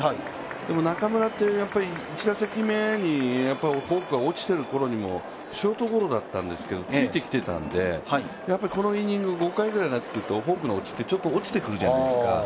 でも中村って１打席目って、フォークが落ちているころにもショートゴロだったんですけど、ついてきていたので、このイニング、５回くらいになってくるとちょっと落ちてくるじゃないですか。